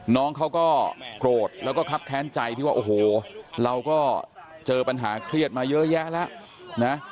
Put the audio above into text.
น้องเขาก็โกรธแล้วก็ครับแค้นใจที่ว่าโอ้โหเราก็เจอปัญหาเครียดมาเยอะแยะแล้วนะ